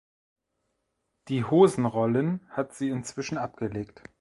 Die Hosen-Rollen hat sie inzwischen abgelegt.